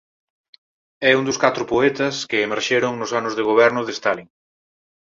É un dos catro poetas que emerxeron nos anos de goberno de Stalin.